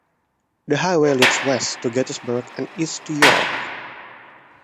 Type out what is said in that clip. The highway leads west to Gettysburg and east to York.